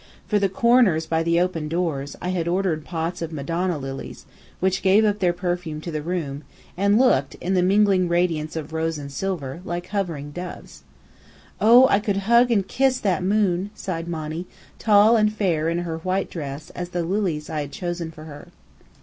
For the corners by the open doors, I had ordered pots of Madonna lilies, which gave up their perfume to the moon, and looked, in the mingling radiance of rose and silver, like hovering doves. "Oh, I could hug and kiss that moon!" sighed Monny, tall and fair in her white dress as the lilies I had chosen for her.